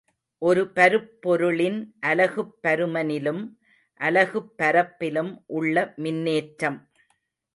ஒரு பருப்பொருளின் அலகுப் பருமனிலும் அலகுப் பரப்பிலும் உள்ள மின்னேற்றம்.